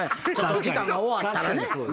時間が終わったらね。